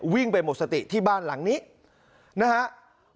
วิ่งไปหมดสติที่บ้านหลังนี้นะครับ